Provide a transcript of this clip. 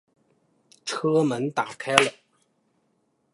车门打开了